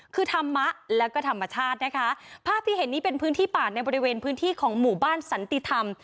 คือธรรมะแล้วก็ธรรมชาตินะคะภาพที่เห็นนี้เป็นพื้นที่ป่าในบริเวณพื้นที่ของหมู่บ้านสันติธรรม